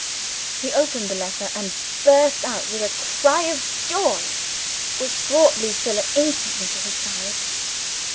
He opened the letter and burst out with a cry of joy which brought Lucilla instantly to his side.